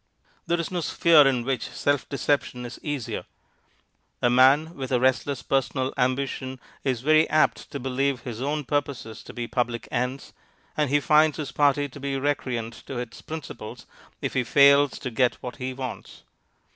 There is no sphere in which self deception is easier. A man with a restless personal ambition is very apt to believe his own purposes to be public ends, and he finds his party to be recreant to its principles if he fails to get what he wants.